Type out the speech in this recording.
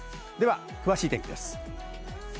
詳しい天気です。